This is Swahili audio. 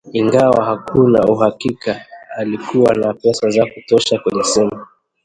ingawa hakuwa na uhakika alikuwa na pesa za kutosha kwenye simu